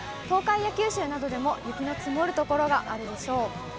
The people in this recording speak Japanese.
東海や九州などでも、雪の積もる所があるでしょう。